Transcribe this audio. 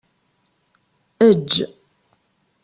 Eǧǧ.